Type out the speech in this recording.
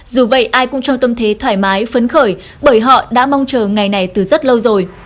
dù vậy ai cũng trong tâm thế thoải mái phấn khởi bởi họ đã mong chờ ngày này từ rất lâu rồi